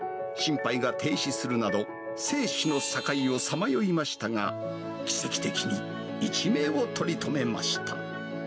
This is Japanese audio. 心肺が停止するなど、生死の境をさまよいましたが、奇跡的に一命を取り留めました。